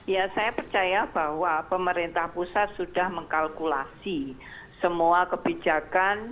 ya saya percaya bahwa pemerintah pusat sudah mengkalkulasi semua kebijakan